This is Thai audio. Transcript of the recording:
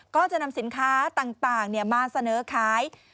ก็จะนำสินค้าต่างมาเสนอขาย